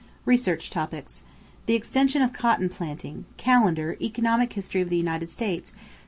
=Research Topics= =The Extension of Cotton Planting.= Callender, Economic History of the United States, pp.